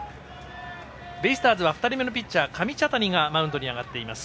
ベイスターズは２人目のピッチャー、上茶谷がマウンドに上がっています。